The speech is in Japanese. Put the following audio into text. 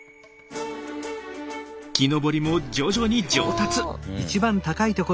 木登りも徐々に上達。